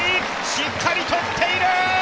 しっかりとっている！